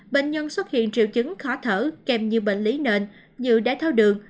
bệnh nhân xuất hiện triệu chứng khó thở kèm nhiều bệnh lý nền như đáy tháo đường